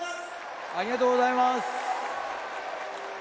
ありがとうございます。